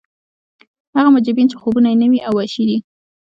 هغه مجرمین چې خوبونه یې نوي او وحشي دي